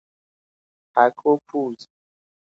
پک و پوز